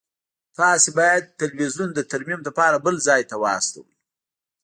تاسو باید تلویزیون د ترمیم لپاره بل ځای ته واستوئ